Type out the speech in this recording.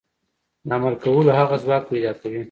د عمل کولو هغه ځواک پيدا کوي.